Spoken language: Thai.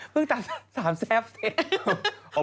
เพิ่งตัด๓แซ่บเสร็จ